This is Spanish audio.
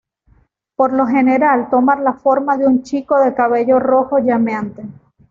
Por lo general toma la forma de un chico de cabello rojo llameante.